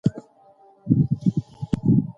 د سلمانۍ وسایل باید تعقیم شي.